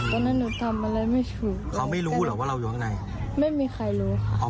ตอนนั้นหนูทำอะไรไม่ถูกเราไม่รู้หรอกว่าเราอยู่ข้างในไม่มีใครรู้ค่ะ